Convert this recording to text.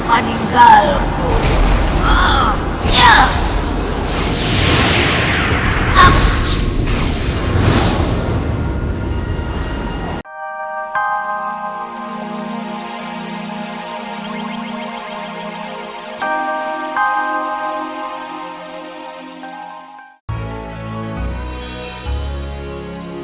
voi keluar dari tanjir